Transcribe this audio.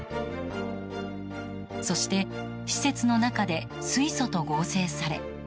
そして、施設の中で水素と合成され。